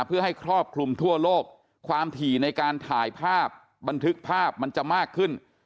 เพื่อให้ครอบคลุมทั่วโลกความถี่ในการถ่ายภาพบันทึกภาพมันจะมากขึ้น